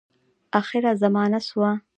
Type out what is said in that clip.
آخره زمانه سوه .